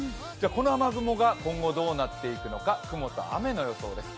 この雨雲が今後どうなっていくのか雲と雨の予想です。